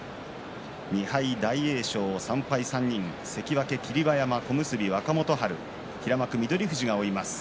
２敗大栄翔３敗３人、関脇霧馬山、小結若元春平幕翠富士が追います。